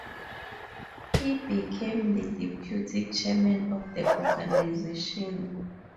He became the Deputy Chairman of the organization.